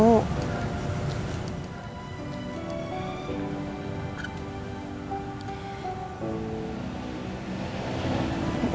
gue mau lo jangan cari gue lagi